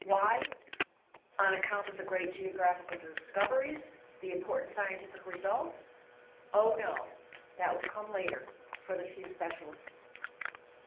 Why? On account of the great geographical discoveries, the important scientific results? Oh no; that will come later, for the few specialists.